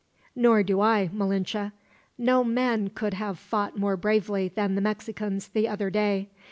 "Nor do I, Malinche. No men could have fought more bravely than the Mexicans, the other day.